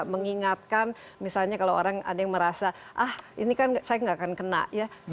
mengingatkan misalnya kalau orang ada yang merasa ah ini kan saya nggak akan kena ya